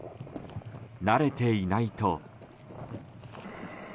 慣れていないと。